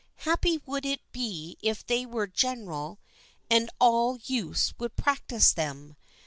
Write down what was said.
Happy would it be if they were general and all youths would practice them.